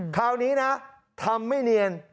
คราวนี้นะทำไม่เนียน